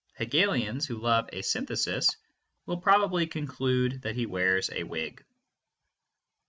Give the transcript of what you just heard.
Hegelians, who love a synthesis, will probably conclude that he wears a wig.